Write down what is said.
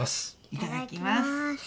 いただきます